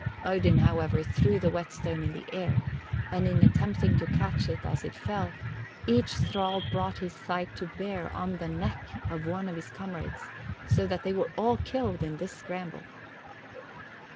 Odin, however, threw the whetstone in the air, and in attempting to catch it as it fell, each thrall brought his scythe to bear on the neck of one of his comrades, so that they were all killed in the scramble.